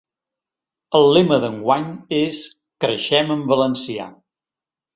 El lema d’enguany és ‘Creixem en valencià’.